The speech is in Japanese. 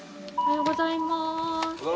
おはようございます。